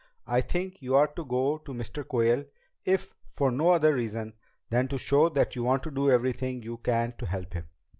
I think you ought to go to Mr. Quayle, if, for no other reason, than to show that you want to do everything you can to help him.